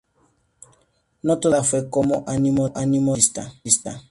No toda llegada fue con animo de conquista.